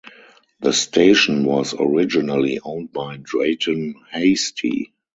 The station was originally owned by Drayton Hastie.